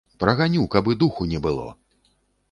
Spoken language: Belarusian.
Праганю, каб і духу не было.